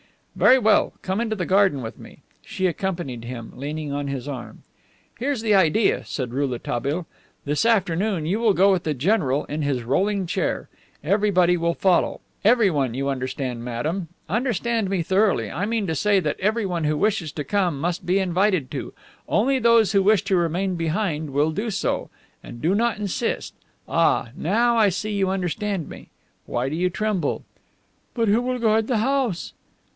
"Very well, come into the garden with me." She accompanied him, leaning on his arm. "Here's the idea," said Rouletabille. "This afternoon you will go with the general in his rolling chair. Everybody will follow. Everyone, you understand, Madame understand me thoroughly, I mean to say that everyone who wishes to come must be invited to. Only those who wish to remain behind will do so. And do not insist. Ah, now, I see, you understand me. Why do you tremble?" "But who will guard the house?"